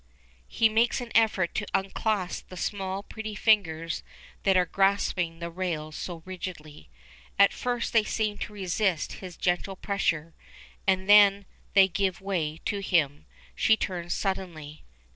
He makes an effort to unclasp the small, pretty fingers that are grasping the rails so rigidly. At first they seem to resist his gentle pressure, and then they give way to him. She turns suddenly.